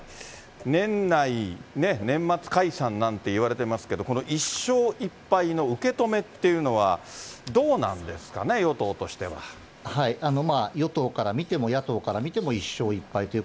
年内ね、年末解散なんていわれていますけど、この１勝１敗の受け止めっていうのは、どうなんですかね、与党としては。与党から見ても野党から見ても１勝１敗という。